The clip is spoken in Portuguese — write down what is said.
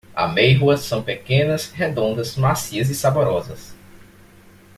Amêijoas são pequenas, redondas, macias e saborosas.